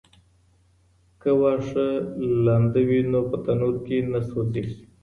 که واښه لوند وي نو په تنور کي نه سوځي.